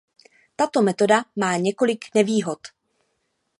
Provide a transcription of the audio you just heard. Tato metoda má několik nevýhod.